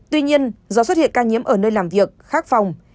tuy nhiên do xuất hiện ca nhiễm ở nơi làm việc khác phòng